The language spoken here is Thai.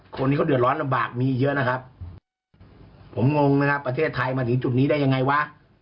คนที่เขาเดือดร้อนลำบากมีเยอะนะครับผมงงนะครับประเทศไทยมาถึงจุดนี้ได้ยังไงวะ